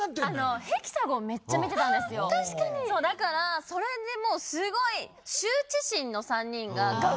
だからそれですごい。